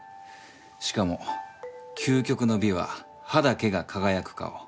しかも究極の美は歯だけが輝く顔。